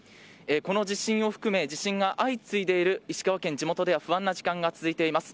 この地震を含め、地震が相次いでいる石川県、地元では不安な時間が続いています。